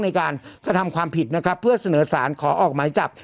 ในการกระทำความผิดนะครับเพื่อเสนอสารขอออกหมายจับ